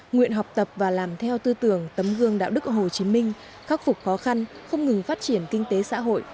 nguyện học tập và làm theo tư tưởng tấm gương đạo đức hồ chí minh khắc phục khó khăn không ngừng phát triển kinh tế xã hội